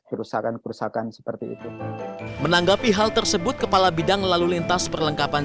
kerusakan kerusakan seperti itu menanggapi hal tersebut kepala bidang lalu lintas perlengkapan